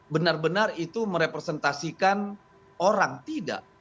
benar benar itu merepresentasikan orang tidak